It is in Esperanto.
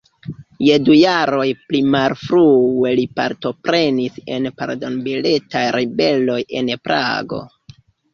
Je du jaroj pli malfrue li partoprenis en pardon-biletaj ribeloj en Prago.